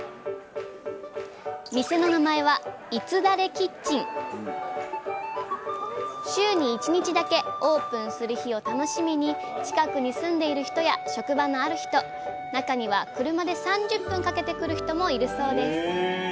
店の名前は週に１日だけオープンする日を楽しみに近くに住んでいる人や職場のある人中には車で３０分かけてくる人もいるそうです